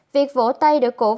việc vỗ tay để cổ vũ đồng chí